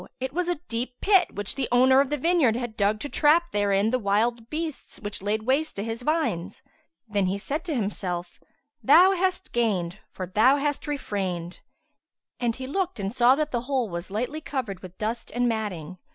it was a deep pit, which the owner of the vineyard had dug to trap therein the wild beasts which laid waste his vines. Then he said to himself, "Thou hast gained, for that thou hast refrained!"; and he looked and saw that the hole was lightly covered with dust and matting.